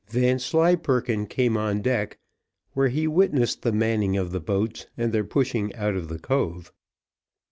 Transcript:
Vanslyperken came on deck, where he witnessed the manning of the boats, and their pushing out of the cove.